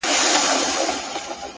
په مخه دي د اور ګلونه ـ